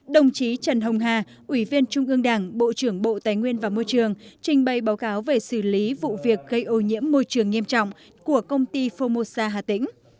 đồng chí trần hồng hà ủy viên trung ương đảng bộ trưởng bộ tài nguyên và môi trường trình bày báo cáo về xử lý vụ việc gây ô nhiễm môi trường nghiêm trọng của công ty formosa hà tĩnh